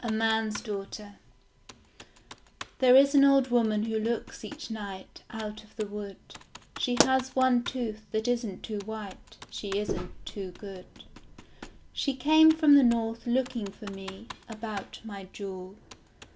A MAN'S DAUGHTER There is an old woman who looks each night Out of the wood. She has one tooth, that isn't too white. She isn't too good. She came from the north looking for me, About my jewel.